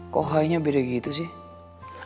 kok hanya beda gitu sih